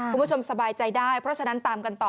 สบายใจได้เพราะฉะนั้นตามกันต่อ